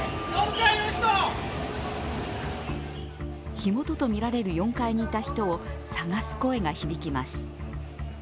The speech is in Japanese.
火元とみられる４階にいた人を探す声が響きます。